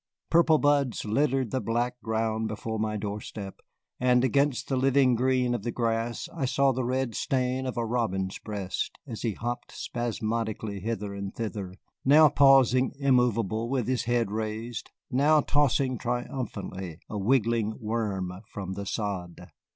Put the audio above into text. Purple buds littered the black ground before my door step, and against the living green of the grass I saw the red stain of a robin's breast as he hopped spasmodically hither and thither, now pausing immovable with his head raised, now tossing triumphantly a wriggling worm from the sod.